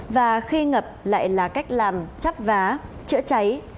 và khi ngập lại là cách làm chắc vá chữa cháy